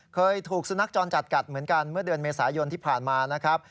เคยถูกสุนัขจรจัดกัดเหมือนกันเมื่อเดือนเมษายนที่ผ่านมานะครับ